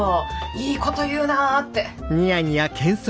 いいこと言うなって。